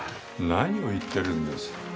何を言ってるんです。